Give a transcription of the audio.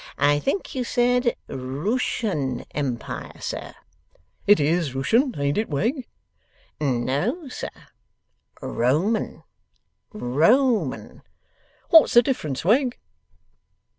I think you said Rooshan Empire, sir?' 'It is Rooshan; ain't it, Wegg?' 'No, sir. Roman. Roman.' 'What's the difference, Wegg?